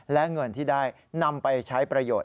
และเงินที่ได้นำไปใช้ประโยชน